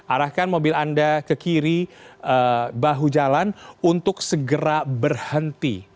arahkan mobil anda ke kiri bahu jalan untuk segera berhenti